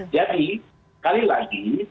jadi kali lagi